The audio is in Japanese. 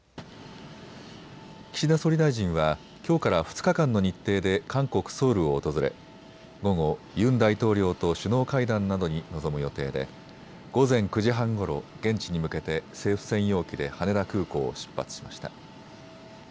岸田総理大臣は、きょうから２日間の日程で韓国・ソウルを訪れ午後、ユン大統領と首脳会談などに臨む予定で午前９時半ごろ現地に向けて政府専用機で羽田空港を出発しました。